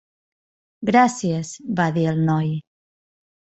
"Gràcies", va dir el noi.